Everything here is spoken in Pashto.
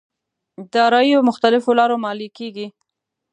داراییو مختلف لارو ماليې کېږي.